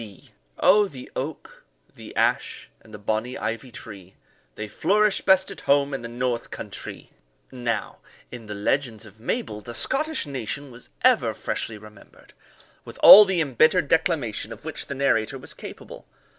D. Oh, the oak, the ash, and the bonny ivy tree, They flourish best at home in the North Countrie! Now, in the legends of Mabel, the Scottish nation was ever freshly remembered, with all the embittered declamation of which the narrator was capable.